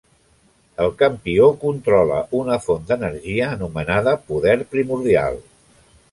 El Campió controla una font d'energia anomenada Poder primordial.